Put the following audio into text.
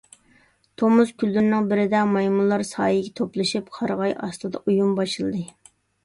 تومۇز كۈنلىرىنىڭ بىرىدە مايمۇنلار سايىگە توپلىشىپ، قارىغاي ئاستىدا ئويۇن باشلىدى.